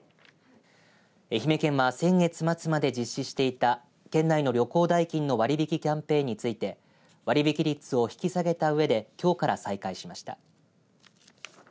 愛媛県は先月末まで実施していた県内の旅行代金の割引キャンペーンについて割引率を引き下げたうえできょうから再開しました。